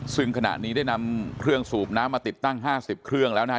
ซึ่งขณะนี้ได้นำเครื่องสูบน้ำมาติดตั้ง๕๐เครื่องแล้วนะฮะ